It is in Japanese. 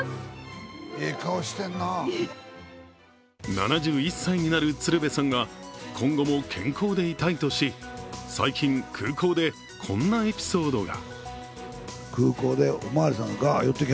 ７１歳になる鶴瓶さんは今後も健康でいたいとし、最近、空港で、こんなエピソードが。